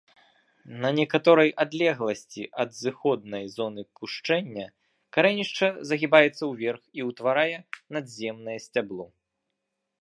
На некаторай адлегласці ад зыходнай зоны кушчэння карэнішча загібаецца ўверх і ўтварае надземнае сцябло.